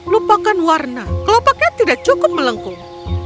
lupakan warna kelopaknya tidak cukup melengkung